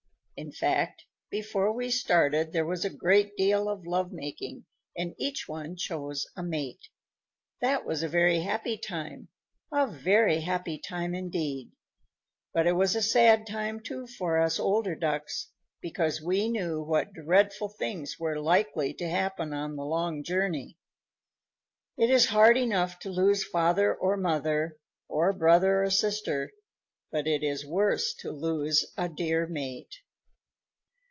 In fact, before we started there was a great deal of love making, and each one chose a mate. That was a very happy time, a very happy time indeed, but it was a sad time too for us older Ducks, because we knew what dreadful things were likely to happen on the long journey. It is hard enough to lose father or mother or brother or sister, but it is worse to lose a dear mate."